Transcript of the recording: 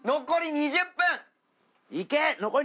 残り２０分！